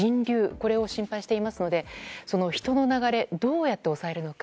これを心配していますので人の流れをどうやって抑えるのか。